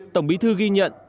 tổng bí thư ghi nhận